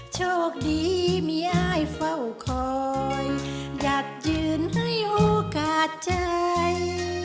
โชคดีมียายเฝ้าคอยอยากยืนให้โอกาสใจ